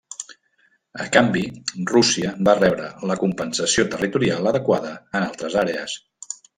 A canvi, Rússia va rebre la compensació territorial adequada en altres àrees.